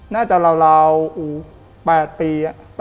น่าจะราว๘ปี